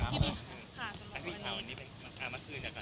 อัลมารินก็สม